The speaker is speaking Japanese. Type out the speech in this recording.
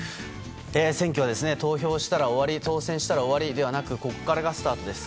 選挙は投票したら終わり当選したら終わりではなくここからがスタートです。